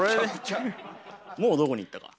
もうどこにいったか。